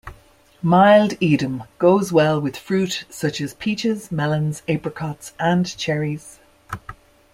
Mild Edam goes well with fruit such as peaches, melons, apricots, and cherries.